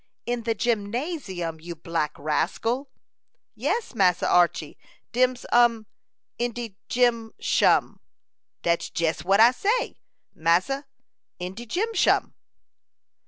"In the gymnasium, you black rascal!" "Yes, Massa Archy, dem's um in de gym shum. Dat's jes what I say, massa in de gym shum."